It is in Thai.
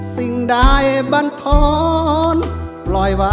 สิ่งใดบันทองปล่อยไปเท่าไหร่